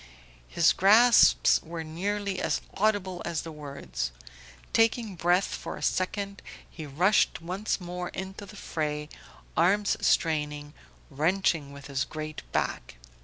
His gasps were nearly as audible as the words. Taking breath for a second he rushed once more into the fray, arms straining, wrenching with his great back.